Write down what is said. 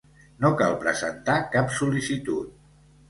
No cal presentar cap sol·licitud.